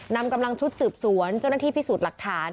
นำกำลังชุดสืบสวนเจ้าหน้าที่พิสูจน์หลักฐาน